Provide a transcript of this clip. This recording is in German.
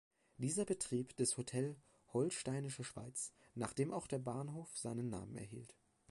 Dieser betrieb das Hotel "Holsteinische Schweiz", nach dem auch der Bahnhof seinen Namen erhielt.